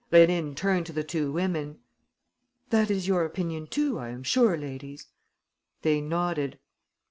Rénine turned to the two women: "That is your opinion too, I am sure, ladies?" They nodded.